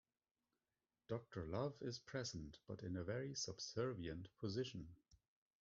Doctor Love is present but in a very subservient position.